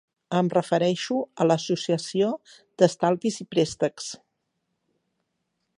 Em refereixo a l'associació d'estalvis i préstecs.